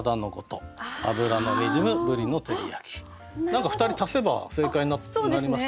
何か２人足せば正解になりましたね。